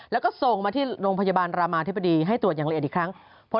แล้วก็ส่งมาที่โรงพยาบาลรามาธิบดีให้ตรวจอย่างละเอียดอีกครั้ง